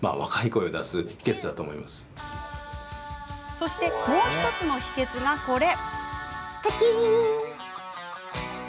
そしてもう１つの秘けつが、これ。